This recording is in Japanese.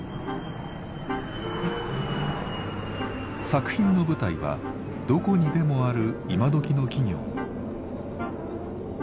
作品の舞台はどこにでもある今どきの企業。